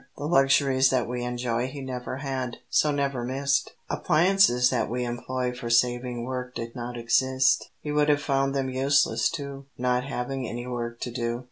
The luxuries that we enjoy He never had, so never missed; Appliances that we employ For saving work did not exist; He would have found them useless too, Not having any work to do.